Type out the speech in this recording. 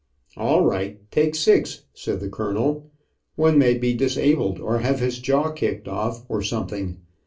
"All right, take six," said the colonel. "One may be disabled, or have his jaw kicked off, or something.